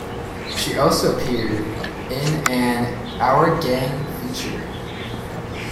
She also appeared in an "Our Gang" feature.